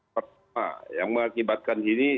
pertama yang mengakibatkan ini